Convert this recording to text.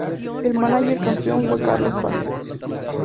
El mánager campeón fue Carlos Paz.